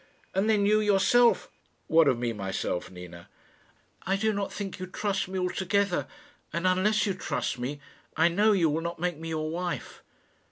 And then you, yourself " "What of me myself, Nina?" "I do not think you trust me altogether; and unless you trust me, I know you will not make me your wife."